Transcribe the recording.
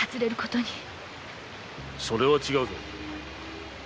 それは違うぞ。